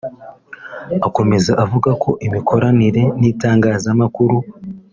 Akomeza avuga ko imikoranire n’itangazamakuru